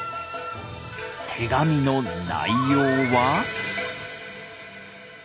手紙の内容は。